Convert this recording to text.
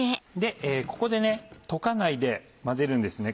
ここで溶かないで混ぜるんですね